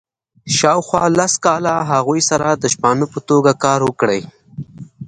شاوخوا لس کاله هغوی سره د شپانه په توګه کار وکړي.